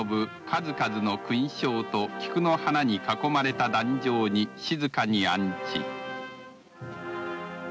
数々の勲章と菊の花に囲まれた壇上に静かに安置。